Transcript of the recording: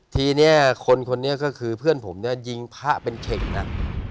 ทีเนี่ยคนคนนี้ก็คือเพื่อนผมเนี่ยยิงผ้าเป็นเข็กนัก